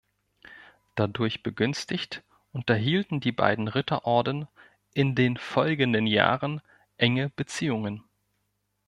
Dadurch begünstigt unterhielten die beiden Ritterorden in den folgenden Jahren enge Beziehungen.